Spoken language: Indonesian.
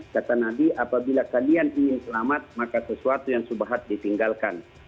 kata nabi apabila kalian ingin selamat maka sesuatu yang subahat ditinggalkan